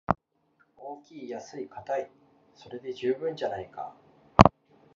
大きい安いかたい、それで十分じゃないか